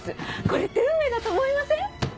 これって運命だと思いません？